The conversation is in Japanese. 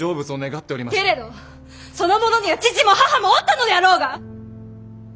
けれどその者には父も母もおったのであろうが！